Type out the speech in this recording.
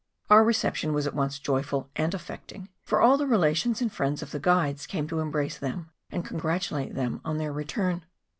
Our reception was at once joyful and affecting; for all the relations and friends of the guides came to embrace them and congratulate them on their return.